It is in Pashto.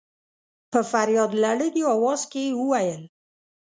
په فرياد لړلي اواز کې يې وويل.